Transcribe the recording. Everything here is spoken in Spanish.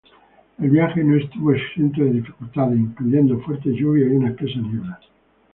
El viaje no estuvo exento de dificultades, incluyendo fuertes lluvias y una espesa niebla.